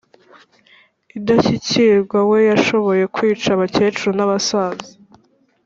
idashyikirwa we washoboye kwica abakecuru n'abasaza,